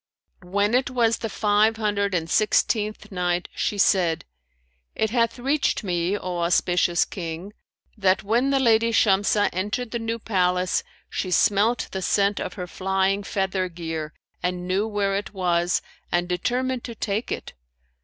When it was the Five Hundred and Sixteenth Night, She said, It hath reached me, O auspicious King, that "when the lady Shamsah entered the new palace, she smelt the scent of her flying feather gear and knew where it was and determined to take it.